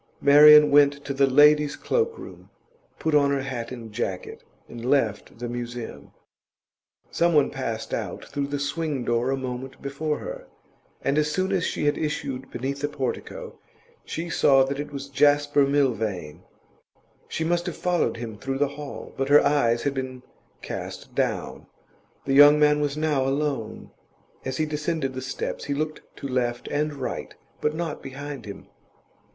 Marian went to the ladies' cloak room, put on her hat and jacket, and left the Museum. Some one passed out through the swing door a moment before her, and as soon as she had issued beneath the portico, she saw that it was Jasper Milvain; she must have followed him through the hall, but her eyes had been cast down. The young man was now alone; as he descended the steps he looked to left and right, but not behind him.